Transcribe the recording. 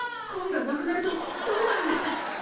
魂がなくなるとどうなるんですか！？